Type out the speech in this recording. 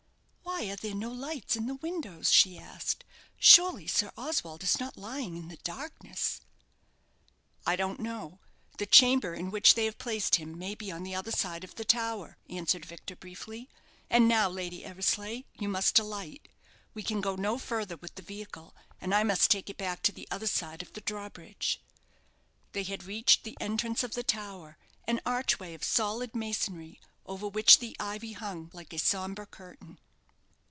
"Why are there no lights in the windows?" she asked; "surely Sir Oswald is not lying in the darkness?" "I don't know. The chamber in which they have placed him may be on the other side of the tower," answered Victor, briefly. "And now, Lady Eversleigh, you must alight. We can go no further with the vehicle, and I must take it back to the other side of the drawbridge." They had reached the entrance of the tower, an archway of solid masonry, over which the ivy hung like a sombre curtain.